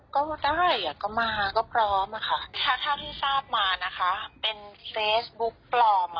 ค่ะมีก็บอกว่าเขาจะให้พี่ซื้อรูป